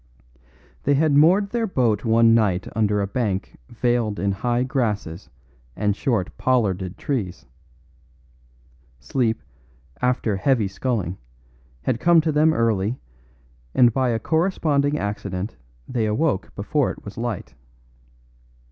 They had moored their boat one night under a bank veiled in high grasses and short pollarded trees. Sleep, after heavy sculling, had come to them early, and by a corresponding accident they awoke before it was light.